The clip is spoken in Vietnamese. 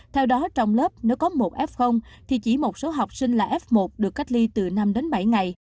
theo đó trong lớp nếu có một f thì chỉ một số học sinh là f một được cách ly từ năm đến bảy ngày